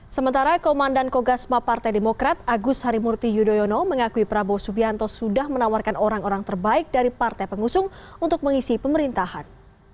sementara komandan kogasma partai demokrat agus harimurti yudhoyono mengakui prabowo subianto sudah menawarkan orang orang terbaik dari partai pengusung untuk mengisi pemerintahan